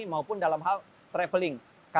maupun dalam hal traveling